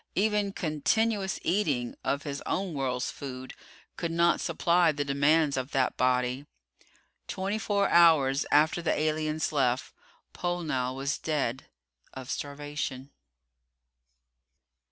Even continuous eating of his own world's food could not supply the demands of that body. Twenty four hours after the aliens left, Pollnow was dead of starvation.